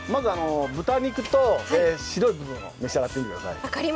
豚肉と、白い部分の召し上がってみてください。